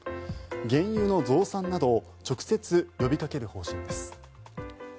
原油の増産などを直接、呼びかける方針です。